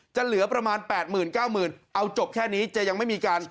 เหลือประมาณ๘๙๐๐เอาจบแค่นี้จะยังไม่มีการ